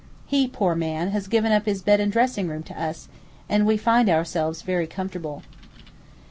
He, poor man, has given up his bed and dressing room to us, and we find ourselves very comfortable.